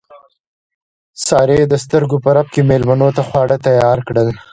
سارې د سترګو په رپ کې مېلمنو ته خواړه تیار کړل.